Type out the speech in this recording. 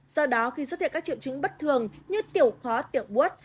do đó khi xuất hiện các triệu chứng bất thường như tiểu khóa tiểu bút